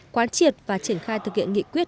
quán triệt và triển khai thực hiện nghị quyết